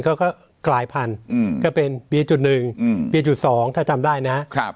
เขาก็กลายพันธุ์ก็เป็นปีจุดหนึ่งปีจุด๒ถ้าจำได้นะครับ